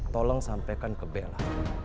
tolong sampaikan ke bella